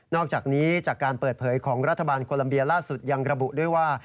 อกจากนี้จากการเปิดเผยของรัฐบาลโคลัมเบียล่าสุดยังระบุด้วยว่า